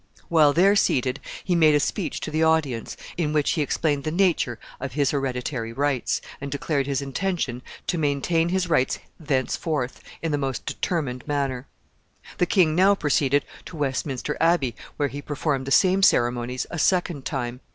While there seated, he made a speech to the audience, in which he explained the nature of his hereditary rights, and declared his intention to maintain his rights thenceforth in the most determined manner. The king now proceeded to Westminster Abbey, where he performed the same ceremonies a second time.